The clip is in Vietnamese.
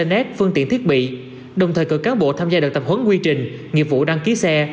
nét phương tiện thiết bị đồng thời cử cán bộ tham gia đợt tập huấn quy trình nghiệp vụ đăng ký xe